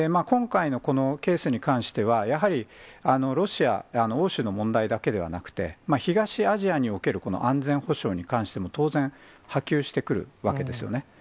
今回のこのケースに関しては、やはり、ロシア、欧州の問題だけではなくて、東アジアにおける安全保障に関しても、当然波及してくるわけですよね。